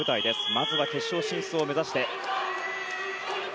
まずは決勝進出を目指して。